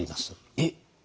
えっ？